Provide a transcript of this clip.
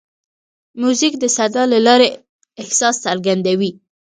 موزیک د صدا له لارې احساس څرګندوي.